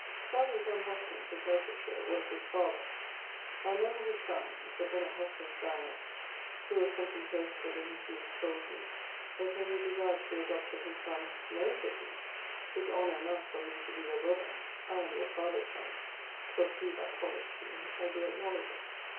Serjeant John Hoskins, of Herefordshire, was his father. I remember his sonne (Sir Bennet Hoskins, baronet, who was something poeticall in his youth) told me, that when he desired to be adopted his son: 'No,' sayd he, ''tis honour enough for me to be your brother; I am your father's son, 'twas he that polished me, I doe acknowledge it.'